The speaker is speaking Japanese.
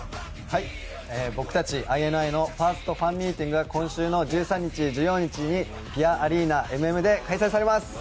僕たちＩＮＩのファーストファンミーティングが今週の１３日、１４日にぴあアリーナＭＭで開催されます。